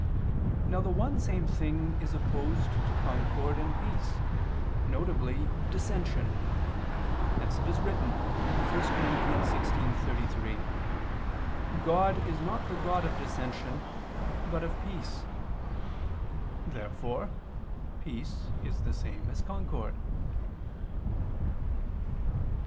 Now the one same thing is opposed to concord and peace, viz. dissension; hence it is written (1 Cor. 16:33): "God is not the God of dissension but of peace." Therefore peace is the same as concord.